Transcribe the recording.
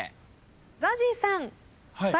ＺＡＺＹさん。